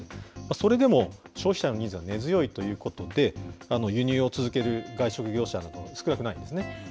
それでも消費者のニーズが根強いということで、輸入を続ける外食業者も少なくないですね。